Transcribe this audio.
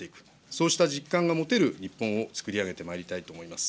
そうした実感が持てる日本を作り上げてまいりたいと思います。